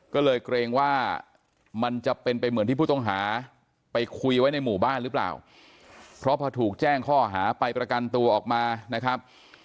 ก็เลยเกรงว่ามันจะเป็นไปเหมือนที่ผู้ต้องหาไปคุยไว้ในหมู่บ้านหรือเปล่าเพราะพอถูกแจ้งข้อหาไปประกันตัวออกมานะครับ